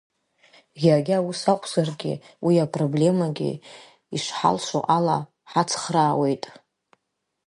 Иагьа ус акәзаргьы, уи апроблемагьы ишҳалшо ала ҳацхраауеит.